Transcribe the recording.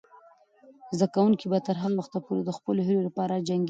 زده کوونکې به تر هغه وخته پورې د خپلو هیلو لپاره جنګیږي.